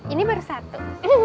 ini baru satu